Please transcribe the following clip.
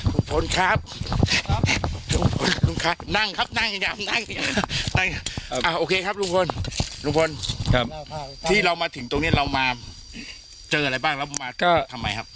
ลุงพลครับนั่งครับนั่งอย่างนี้นั่งอย่างนี้โอเคครับลุงพลที่เรามาถึงตรงนี้เรามาเจออะไรบ้างแล้วมาทำไมครับ